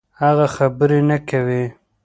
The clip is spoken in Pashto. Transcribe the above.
هغه خبرې نه کوي.